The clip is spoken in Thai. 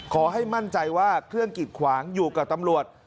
ขอให้มั่นใจว่าเครื่องกิดขวางอยู่กับตำรวจ